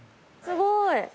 すごい。